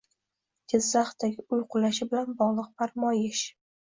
Jizzaxdagi uy qulashi bilan bog‘liq farmoyish